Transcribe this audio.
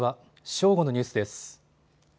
正午のニュースです。